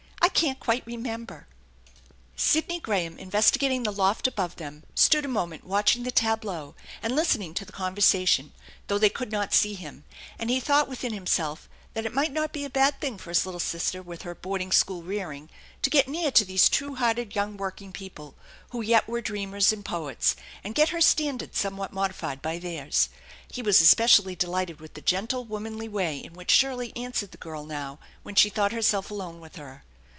I can't quite remember." Sidney Graham, investigating the loft above them, stood a moment watching the tableau and listening to the con versation, though they could not see him; and he thought within himself that it might not be a bad thing for his little sister, with her boarding school rearing, to get near to these true hearted young working people, who yet were dreamers and poets, and get her standards somewhat modified by theirs. He was especially delighted with the gentle, womanly way in which Shirley answered the girl now when she thought herself alone with her.